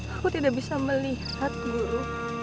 aku tidak bisa melihat guru